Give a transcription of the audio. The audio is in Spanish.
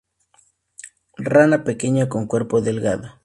Rana pequeña con cuerpo delgado.